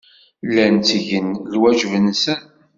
Llan ttgen lwajeb-nsen.